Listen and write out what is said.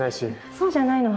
そうじゃないの。